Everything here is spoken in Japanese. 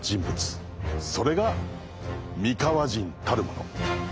それが三河人たるもの。